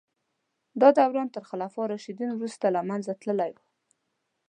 دا دوران تر خلفای راشدین وروسته له منځه تللی و.